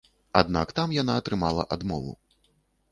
Аднак там яна атрымала адмову.